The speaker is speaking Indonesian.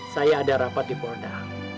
saya ada rapat di polda